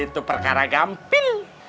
itu perkara gamping